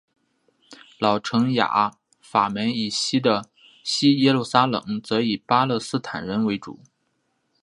老城雅法门以西的西耶路撒冷则以巴勒斯坦人为主。